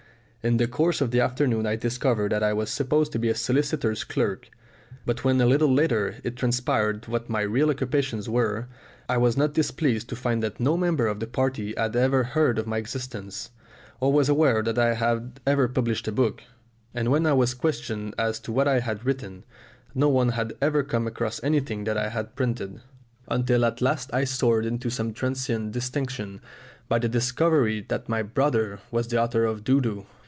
In the course of the afternoon I discovered that I was supposed to be a solicitor's clerk, but when a little later it transpired what my real occupations were, I was not displeased to find that no member of the party had ever heard of my existence, or was aware that I had ever published a book, and when I was questioned as to what I had written, no one had ever come across anything that I had printed, until at last I soared into some transient distinction by the discovery that my brother was the author of Dodo.